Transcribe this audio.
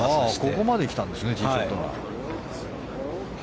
ここまで来たんですねティーショットが。